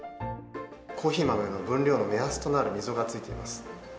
コーヒー豆の分量の目安となる溝がついてます。